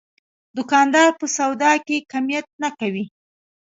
دوکاندار په سودا کې کمیت نه کوي.